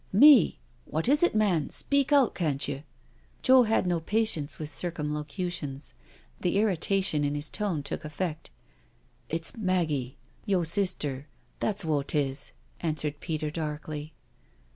" Mel What is it, man, speak out, can't you?" Joe had no patience with circumlocutions. The irritation in his tone took effect. •• It's Maggie— yo' sister— that's w'o 'tis," answered Peter darkly.